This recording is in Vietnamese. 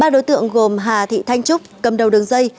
ba đối tượng gồm hà thị thanh trúc cầm đầu đường dây